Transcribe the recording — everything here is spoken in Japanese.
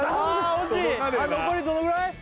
惜しい残りどのぐらい？